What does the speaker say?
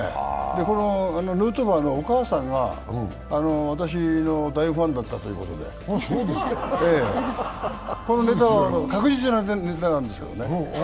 このヌートバーのお母さんが私の大ファンだったということでええ、確実なネタなんですね。